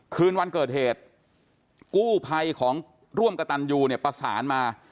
คืนวันเกิดเหตุกู้ภัยของร่วมกระตันยูเนี่ยประสานมา